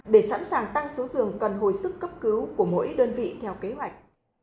để sẵn sàng tăng số giường cần hồi sức cấp cứu của mỗi đơn vị theo kế hoạch